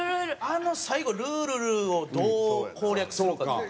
あの最後「ルールル」をどう攻略するかというか。